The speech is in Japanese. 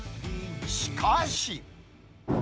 しかし。